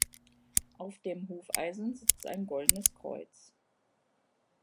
Auf dem Hufeisen sitzt ein goldenes Kreuz.